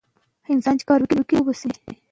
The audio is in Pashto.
واده د یو شخص ایمان بشپړوې.